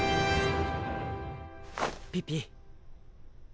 ピピ。